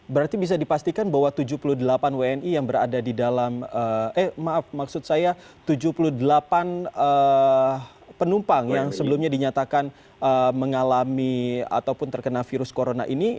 berarti bisa dipastikan bahwa tujuh puluh delapan penumpang yang sebelumnya dinyatakan mengalami atau terkena virus corona ini